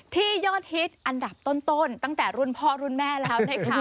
ยอดฮิตอันดับต้นตั้งแต่รุ่นพ่อรุ่นแม่แล้วนะคะ